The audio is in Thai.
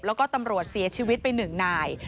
แล้วก็ตำรวจเสียชีวิตไป๑นาย